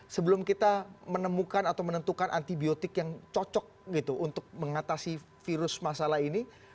sebelum kita menemukan atau menentukan antibiotik yang cocok gitu untuk mengatasi virus masalah ini